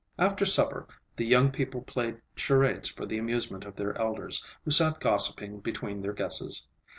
After supper the young people played charades for the amusement of their elders, who sat gossiping between their guesses.